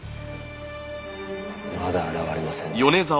まだ現れませんね。